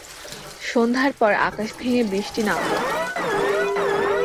সন্ধ্যার পর আকাশ ভেঙে বৃষ্টি নামল।